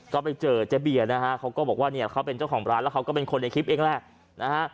ก็ไปเจอเจ๊เบียร์นะฮะเขาก็บอกว่าเนี่ยเขาเป็นเจ้าของร้านแล้วเขาก็เป็นคนในคลิปเองแหละนะฮะ